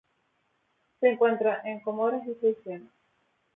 Se encuentra en Comoras y Seychelles.